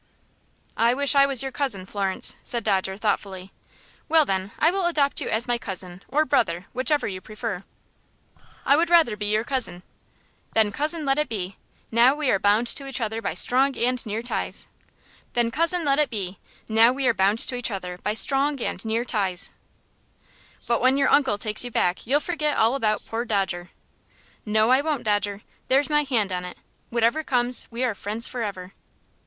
"I wish I was your cousin, Florence," said Dodger, thoughtfully. "Well, then, I will adopt you as my cousin, or brother, whichever you prefer!" "I would rather be your cousin." "Then cousin let it be! Now we are bound to each other by strong and near ties." "But when your uncle takes you back you'll forget all about poor Dodger." "No, I won't, Dodger. There's my hand on it. Whatever comes, we are friends forever."